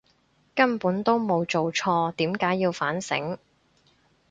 根本都冇做錯，點解要反省！